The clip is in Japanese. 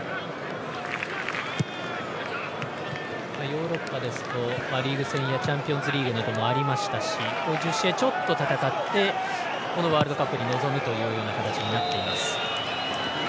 ヨーロッパですとリーグ戦やチャンピオンズリーグなどもありましたしちょっと戦ってこのワールドカップに臨むという形になっています。